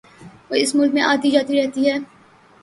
وہ اس ملک میں آتی جاتی رہتی ہے